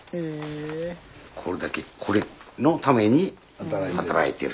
これだけこれのために働いてる。